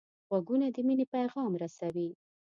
غوږونه د مینې پیغام رسوي